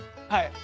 はい。